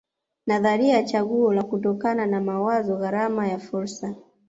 Nadharia ya chaguo la kutokana na mawazo gharama ya fursa